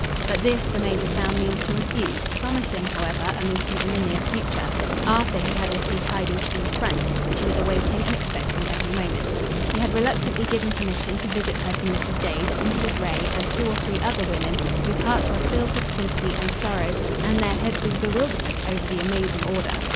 But this the major found means to refuse, promising, however a meeting in the near future, after he had received tidings from the front, which he was awaiting and expecting every moment. He had reluctantly given permission to visit her to Mrs. Dade, Mrs. Ray and two or three other women whose hearts were filled with sympathy and sorrow, and their heads with bewilderment, over the amazing order.